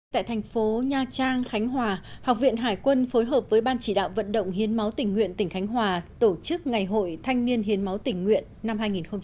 tại thành phố nha trang khánh hòa học viện hải quân phối hợp với ban chỉ đạo vận động hiến máu tỉnh nguyện tỉnh khánh hòa tổ chức ngày hội thanh niên hiến máu tỉnh nguyện năm hai nghìn một mươi chín